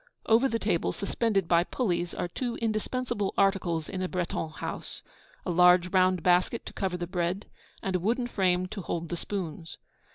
Over the table, suspended by pulleys, are two indispensable articles in a Breton house, a large round basket to cover the bread, and a wooden frame to hold the spoons.